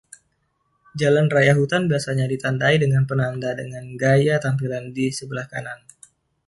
Jalan raya hutan biasanya ditandai dengan penanda dengan gaya tampilan di sebelah kanan.